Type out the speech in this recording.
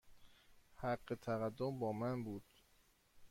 حق تقدم با من بود.